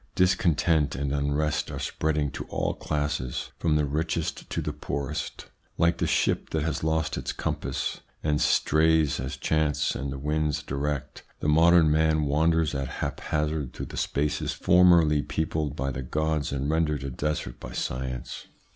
Discontent and unrest are spreading to all classes, from the richest to the poorest. Like the ship that has lost its compass, and strays as chance and the winds direct, the modern man wanders at haphazard through the spaces formerly peopled by the gods and rendered a desert by science.